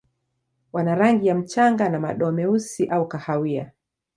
Wana rangi ya mchanga na madoa meusi au kahawia.